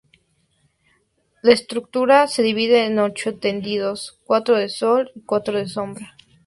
La estructura se divide en ocho tendidos, cuatro de sol y cuatro de sombra.